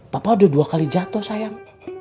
papa udah dua kali jatuh sayang